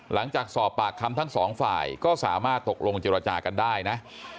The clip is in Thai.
หลังจากสอบปากคำทั้งสองฝ่ายก็สามารถตกลงเจรจากันได้นะ